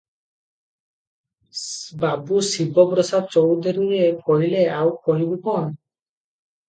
ବାବୁ ଶିବ ପ୍ରସାଦ ଚୌଧୁରୀଏ କହିଲେ, "ଆଉ କହିବୁ କଣ?